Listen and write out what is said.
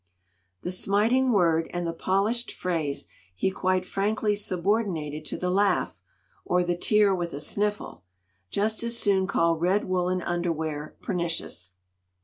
"The smiting word and the polished phrase he quite frankly subordinated to the laugh, or the tear with a sniffle. Just as soon call red woolen underwear pernicious!